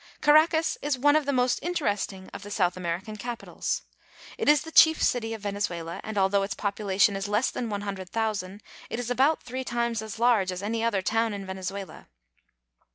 338 VENEZUELA. Caracas is one of the most interesting of the South American capitals. It is the chief city of Venezuela, and although its population is less than one hundred thousand, it is about three times as large as any other town in Vene zuela.